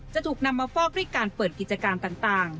จะถูกนำมาฟอกด้วยการเปิดกิจการต่าง